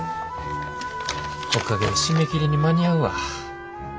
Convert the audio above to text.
おかげで締め切りに間に合うわ。